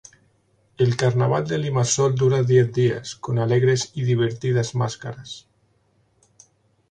El Carnaval de Limasol dura diez días, con alegres y divertidas máscaras.